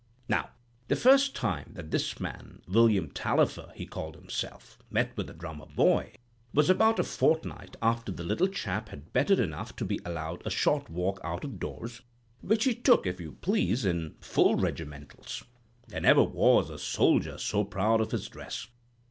"Now the first time that this man—William Tallifer he called himself—met with the drummer boy, was about a fortnight after the little chap had bettered enough to be allowed a short walk out of doors, which he took, if you please, in full regimentals. There never was a soldier so proud of his dress.